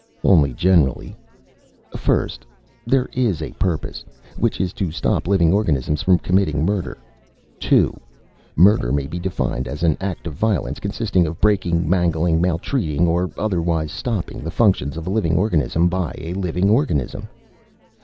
"Only generally." "First, there is a purpose. Which is to stop living organisms from committing murder. Two, murder may be defined as an act of violence, consisting of breaking, mangling, maltreating or otherwise stopping the functions of a living organism by a living organism.